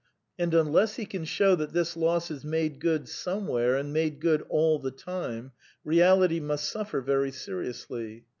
And unless he can show that this loss is >y made good somewhere and made good all the time, realit^/^ must suffer very seriously.